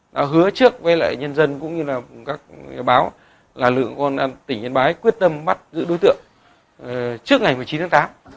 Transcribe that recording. đã hứa trước với lại nhân dân cũng như là các báo là lượng con tỉnh yên bái quyết tâm bắt giữ đối tượng trước ngày một mươi chín tháng tám